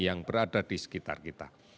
yang berada di sekitar kita